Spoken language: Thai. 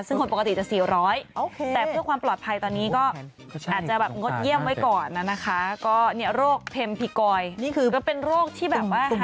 ซึ่งคนปกติจะ๔๐๐แต่เพื่อความปลอดภัยตอนนี้ก็อาจจะแบบงดเยี่ยมไว้ก่อนนะคะก็เนี่ยโรคเพ็มพิกอยนี่คือก็เป็นโรคที่แบบว่า